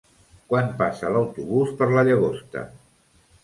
Quan passa l'autobús per la Llagosta?